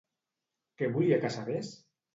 Què volia que sabés?